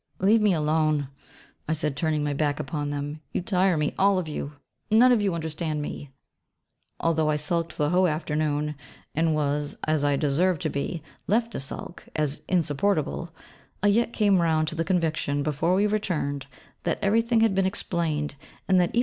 'Leave me alone,' I said, turning my back upon them, 'you tire me, all of you; none of you understand me.' Although I sulked the whole afternoon, and was, as I deserved to be, left to sulk, as 'insupportable,' I yet came round to the conviction before we returned, that everything had been explained, and that even M.